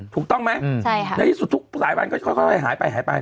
ถูกต้องไหมในที่สุดทุกสายวันก็ค่อยหายไปหายไป